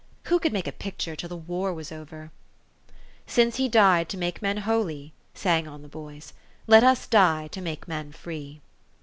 Who could make a picture till the war was over ?" Since he died to make men holy," sang on the boys, " Let us die to make men free."